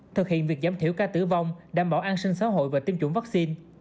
thực hiện việc giảm thiểu ca tử vong đảm bảo an sinh xã hội và tiêm chủng vaccine